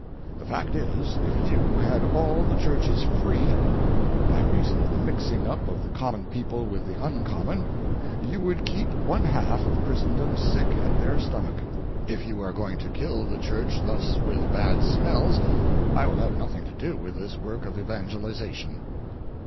The fact is, if you had all the churches free, by reason of the mixing up of the common people with the uncommon, you would keep one half of Christendom sick at their stomach. If you are going to kill the church thus with bad smells, I will have nothing to do with this work of evangelization.